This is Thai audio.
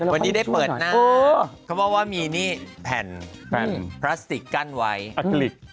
วันนี้ได้เปิดหน้าเขาบอกว่ามีนี่แผ่นพลาสติกกั้นไว้อังกฤษ